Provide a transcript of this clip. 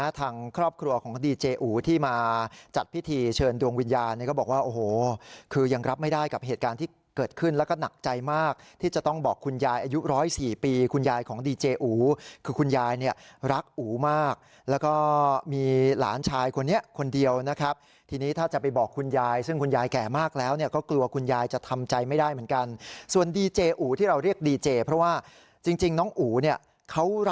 ดีเจอูนะทางครอบครัวของดีเจอูที่มาจัดพิธีเชิญดวงวิญญาณเนี่ยก็บอกว่าโอ้โหคือยังรับไม่ได้กับเหตุการณ์ที่เกิดขึ้นแล้วก็หนักใจมากที่จะต้องบอกคุณยายอายุ๑๐๔ปีคุณยายของดีเจอูคือคุณยายเนี่ยรักอูมากแล้วก็มีหลานชายคนนี้คนเดียวนะครับทีนี้ถ้าจะไปบอกคุณยายซึ่งคุณยายแก่มากแล้วเนี่ยก็กล